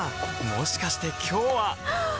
もしかして今日ははっ！